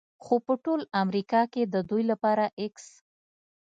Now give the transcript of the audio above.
خو په ټول امریکا کې د دوی لپاره x